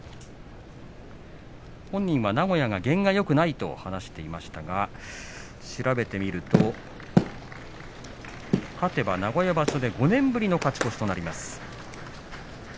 本人は名古屋は験がよくないと話していましたが調べてみると勝てば名古屋場所で５年ぶりの勝ち越しとなります。